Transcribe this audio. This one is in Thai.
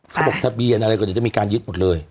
เขาบอกทะเบียนอะไรก็เดี๋ยวจะมีการยึดหมดเลย